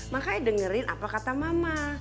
makanya dengerin apa kata mama